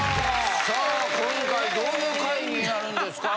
さあ今回どういう回になるんですか？